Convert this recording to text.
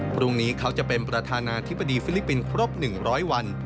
พรุ่งนี้เขาจะเป็นประธานาธิบดีฟิลิปปินส์ครบ๑๐๐วัน